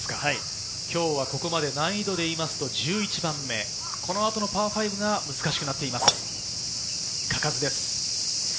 今日はここまで難易度でいうと１１番目、この後のパー５が難しくなっています、嘉数です。